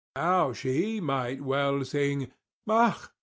Now she might well sing, "Ach!